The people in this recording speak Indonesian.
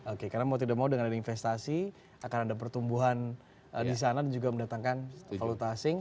oke karena mau tidak mau dengan ada investasi akan ada pertumbuhan di sana dan juga mendatangkan valuta asing